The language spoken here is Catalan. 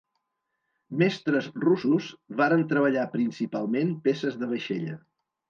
Mestres russos varen treballar principalment peces de vaixella.